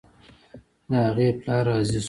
د هغې پلار راضي شو.